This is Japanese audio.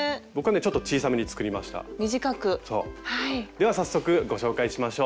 では早速ご紹介しましょう。